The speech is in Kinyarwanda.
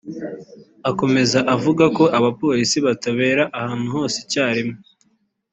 Akomeza avuga ko abapolisi batabera ahantu hose icyarimwe